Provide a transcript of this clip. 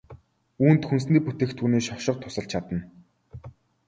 Үүнд хүнсний бүтээгдэхүүний шошго тусалж чадна.